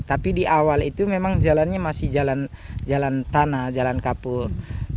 tapi di awal itu memang jalannya masih jalan tanah jalan kapur